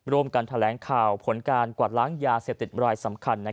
ร่วมกันแถลงข่าวผลการกวาดล้างยาเสพติดรายสำคัญ